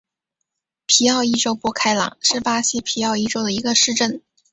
皮奥伊州博凯朗是巴西皮奥伊州的一个市镇。